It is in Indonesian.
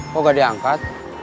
kok gak diangkat